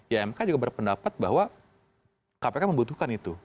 ymk juga berpendapat bahwa kpk membutuhkan itu